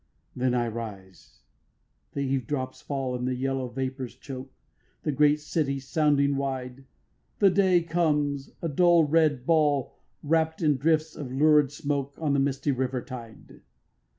9. Then I rise, the eavedrops fall, And the yellow vapours choke The great city sounding wide; The day comes, a dull red ball Wrapt in drifts of lurid smoke On the misty river tide.